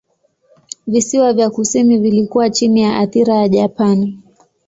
Visiwa vya kusini vilikuwa chini ya athira ya Japani.